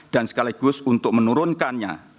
dan sekaligus untuk menurunkannya